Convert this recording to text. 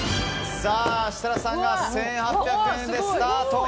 設楽さんが１８００円でスタート。